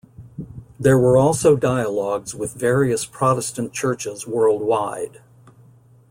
There were also dialogues with various Protestant churches worldwide.